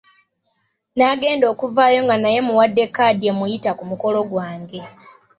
Nagenda okuvaayo nga naye mmuwadde 'kkaadi' emuyita ku mukolo gwange.